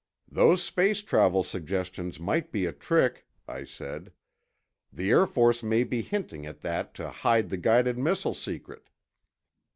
"Those space travel suggestions might be a trick," I said. "The Air Force may be hinting at that to hide the guided missile secret."